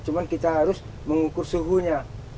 cuma kita harus mengukur suhunya